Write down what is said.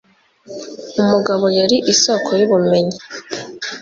Umugabo yari isoko yubumenyi.